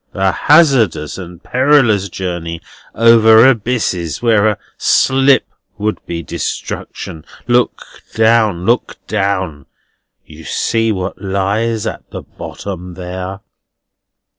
A hazardous and perilous journey, over abysses where a slip would be destruction. Look down, look down! You see what lies at the bottom there?"